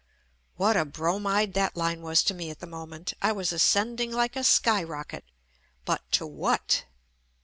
What a bromide that line was to me at the moment, I was ascending like a skyrocket, but to what?